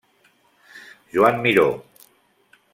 Joan Miró.